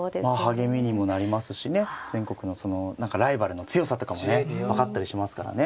励みにもなりますしね全国のその何かライバルの強さとかもね分かったりしますからね。